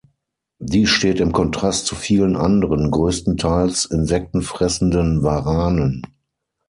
Dies steht im Kontrast zu vielen anderen, größtenteils insektenfressenden Waranen.